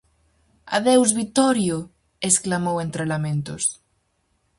-Adeus, Vitorio! -exclamou, entre lamentos.